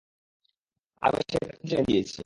আমি সেটার ইতি টেনে দিয়েছি।